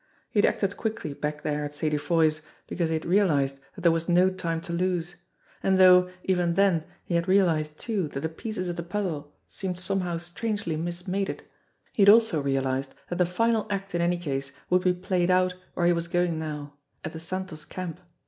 He had acted quickly back there at Sadie Foy's because he had realised that there was no time to lose; and though, even then, he had realised too that the pieces of the puzzle seemed somehow strangely mismated, he had also realised that the final act in any case would be played out where he was going now at the Santos' camp.